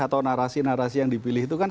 atau narasi narasi yang dipilih itu kan